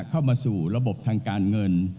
เข้ามาสู่ระบบทางการเงิน